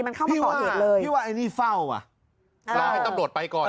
มันเข้ามาก่อเหตุเลยพี่ว่าพี่ว่าอันนี้เฝ้าว่ะรอให้ตำรวจไปก่อน